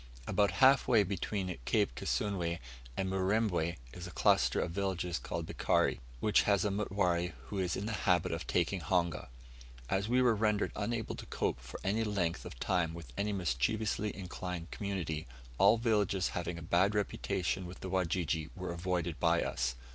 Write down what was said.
About half way between Cape Kisunwe and Murembwe, is a cluster of villages called Bikari, which has a mutware who is in the habit of taking honga. As we were rendered unable to cope for any length of time with any mischievously inclined community, all villages having a bad reputation with the Wajiji were avoided by us.